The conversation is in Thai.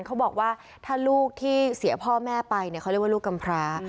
เขาบอกว่าถ้าลูกที่เสียพ่อแม่ไปเนี่ยเขาเรียกว่าลูกกำพร้า